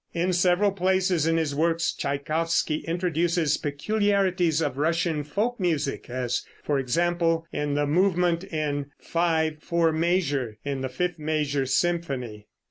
In several places in his works Tschaikowsky introduces peculiarities of Russian folk music, as for example in the movement in 5 4 measure in the fifth measure symphony.